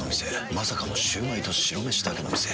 まさかのシュウマイと白めしだけの店。